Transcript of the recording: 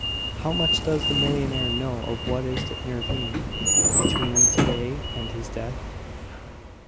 How much does the millionaire know of what is to intervene between to day and his death?"